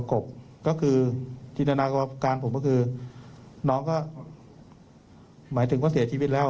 กบก็คือจินตนาการผมก็คือน้องก็หมายถึงว่าเสียชีวิตแล้ว